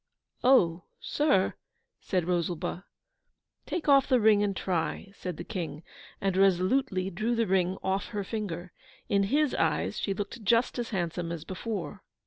'Oh, sir!' said Rosalba. 'Take off the ring and try,' said the King, and resolutely drew the ring off her finger. In HIS eyes she looked just as handsome as before!